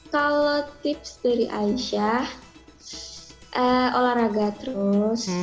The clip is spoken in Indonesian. kalau tips dari aisyah olahraga terus